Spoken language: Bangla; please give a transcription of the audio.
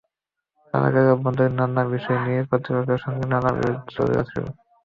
কারাগারের অভ্যন্তরীণ নানা বিষয় নিয়ে কর্তৃপক্ষের সঙ্গে তাঁর বিরোধ চলে আসছিল।